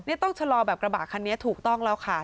นี่ต้องชะลอแบบกระบะคันนี้ถูกต้องแล้วค่ะ